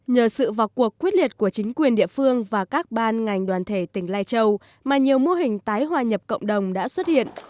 nhờ sự vào cuộc quyết liệt của chính quyền địa phương và các ban ngành đoàn thể tỉnh lai châu mà nhiều mô hình tái hòa nhập cộng đồng đã xuất hiện